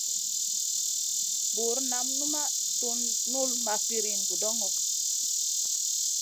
Bur nam numaʼ tun null ma firina vudoŋo.